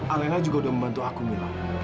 alena juga sudah membantu aku mila